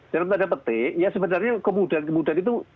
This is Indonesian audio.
dalam tanda petik ya sebenarnya kemudahan kemudahan itu